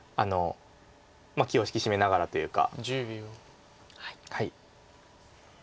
気を引き締めながらというか。